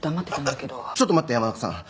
ちょっと待って山中さん。